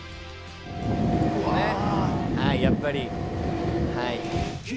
ああ、やっぱり、はい。